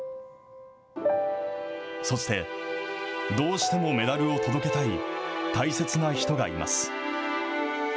そして、どうしてもメダルを届けたい、大切な人がいます。